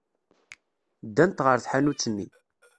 Ddant ɣer tḥanut-nni.